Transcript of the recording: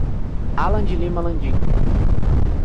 Alan de Lima Landim